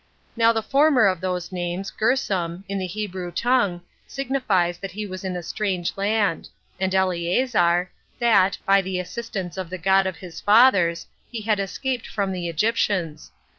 Now the former of those names, Gersom, in the Hebrew tongue, signifies that he was in a strange land; and Eleazer, that, by the assistance of the God of his fathers, he had escaped from the Egyptians.